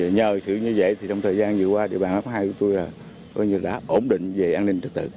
nhờ sự như vậy thì trong thời gian vừa qua địa bàn ấp hai của tôi là coi như đã ổn định về an ninh trật tự